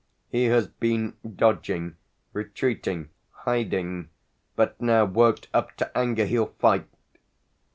"He has been dodging, retreating, hiding, but now, worked up to anger, he'll fight!"